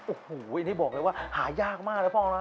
โอ้โหอันนี้บอกเลยว่าหายากมากนะพ่อนะ